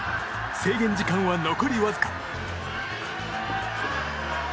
制限時間は残りわずか。